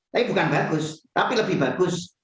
tapi bukan bagus tapi lebih bagus